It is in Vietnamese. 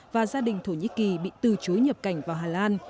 và gia đình thổ nhĩ kỳ bị từ chối nhập cảnh vào hà lan